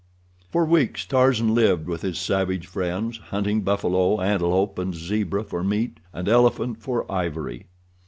For weeks Tarzan lived with his savage friends, hunting buffalo, antelope, and zebra for meat, and elephant for ivory.